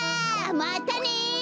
またね！